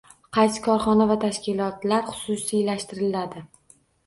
Qaysi korxona va tashkilotlar xususiylashtiriladi